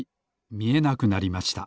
みえなくなりました。